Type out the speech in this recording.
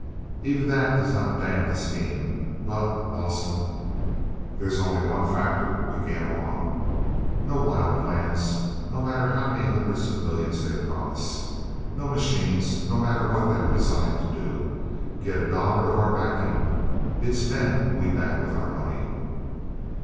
"Even that does not damn the scheme; but, Rawson, there's only one factor we gamble on. No wild plans, no matter how many hundreds of millions they promise: no machines, no matter what they are designed to do, get a dollar of our backing. It's men we back with our money!"